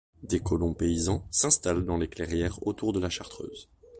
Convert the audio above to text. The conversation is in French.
Des colons paysans s'installent dans les clairières autour de la chartreuse.